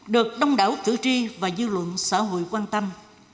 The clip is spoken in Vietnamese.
được đông đảo cử tri và dư luận xã hội quan tâm